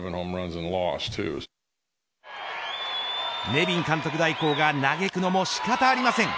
ネビン監督代行が嘆くのも仕方ありません。